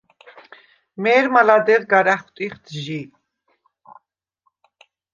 მე̄რმა ლადეღ გარ ა̈ხვტიხდ ჟი.